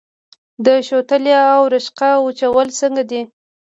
د شوتلې او رشقه وچول څنګه دي؟